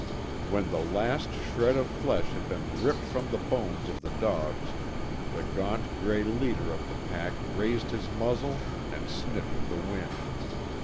When the last shred of flesh had been ripped from the bones of the dogs the gaunt grey leader of the pack raised his muzzle and sniffed the wind.